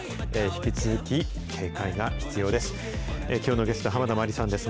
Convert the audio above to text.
引き続き警戒が必要です。